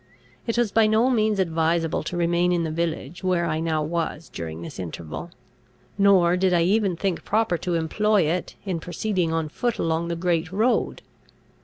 It was by no means advisable to remain in the village where I now was during this interval; nor did I even think proper to employ it, in proceeding on foot along the great road.